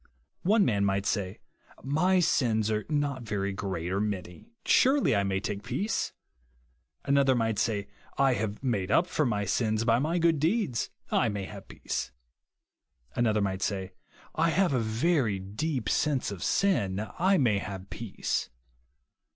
One man miglit say. My sins are not very great or many ; surely I may take peace. Another might say, I have made up for my si as by my good deeds, I may have peace. Another might say, I have a very deep sense of sin, I may have peace.